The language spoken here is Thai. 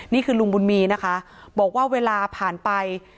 นี่คือลุงบุญมีนะคะบอกว่าเวลาผ่านไป